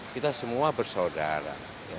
kita semua bersaudara